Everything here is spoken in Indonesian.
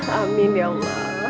amin ya allah